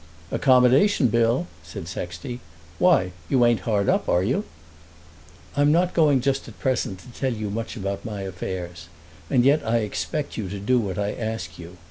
"Accommodation bill!" said Sexty. "Why, you ain't hard up; are you?" "I'm not going just at present to tell you much about my affairs, and yet I expect you to do what I ask you.